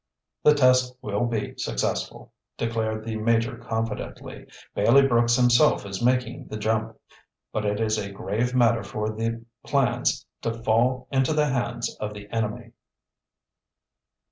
"The test will be successful," declared the Major confidently. "Bailey Brooks himself is making the jump. But it is a grave matter for the plans to fall into the hands of the enemy."